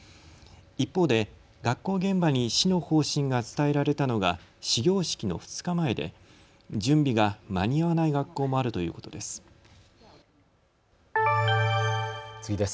一方で学校現場に市の方針が伝えられたのが始業式の２日前で準備が間に合わない学校もあるということです。